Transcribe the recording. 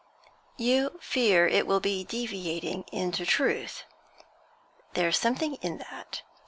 'You fear it will be deviating into truth. There's something in that.